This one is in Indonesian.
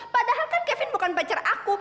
padahal kan kevin bukan pacar aku